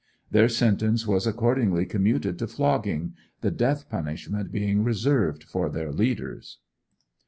Their sentence was accordingly commuted to flogging, the death punishment being reserved for their leaders.